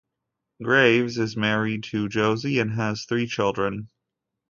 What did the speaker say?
Greaves is married to Josie and has three children.